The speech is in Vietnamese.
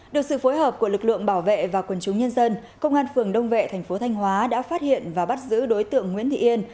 được sự phối hợp của lực lượng bảo vệ và quần chúng nhân dân công an phường đông vệ thành phố thanh hóa đã phát hiện và bắt giữ đối tượng nguyễn thị yên